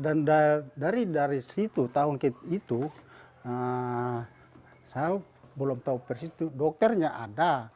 dan dari situ tahun itu saya belum tahu persis dokternya ada